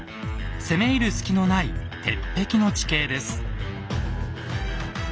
攻め入る隙のない鉄壁の地形です。